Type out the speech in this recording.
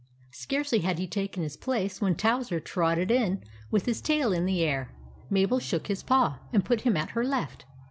Scarcely had he taken his place, when Towser trotted in, with his tail in the air. Mabel shook his paw, and put him at her left.